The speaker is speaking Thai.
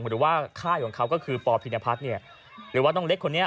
หรือว่าค่ายของเขาก็คือปพิณภัษหรือว่าน้องเล็กคนนี้